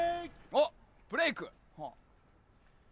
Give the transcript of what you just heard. ・おっブレイク。